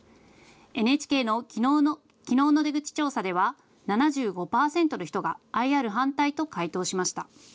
ＮＨＫのきのうの出口調査では７５％の人がＩＲ反対と回答しました。